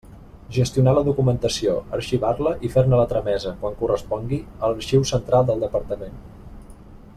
Gestionar la documentació, arxivar-la i fer-ne la tramesa, quan correspongui, a l'Arxiu Central del Departament.